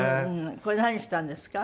これ何したんですか？